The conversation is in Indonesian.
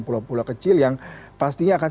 pulau pulau kecil yang pastinya akan